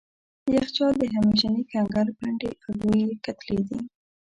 یخچال د همیشني کنګل پنډې او لويې کتلې دي.